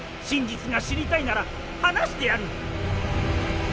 真実が知りたいなら話してやる。